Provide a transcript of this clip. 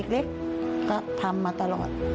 เล็กก็ทำมาตลอด